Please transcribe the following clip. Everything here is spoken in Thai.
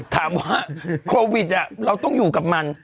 ถามว่าโควิดเราต้องอยู่กับมัน